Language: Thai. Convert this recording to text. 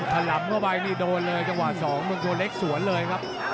ขลับเข้าไปถูกโดนเลยจังหวะ๒พวกมึงชนเล็กสวนเลยครับ